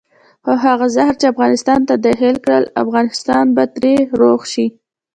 خو هغه زهر چې افغانستان ته داخل کړل افغانستان به ترې روغ شي.